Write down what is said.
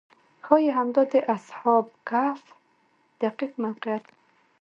ښایي همدا د اصحاب کهف دقیق موقعیت وي.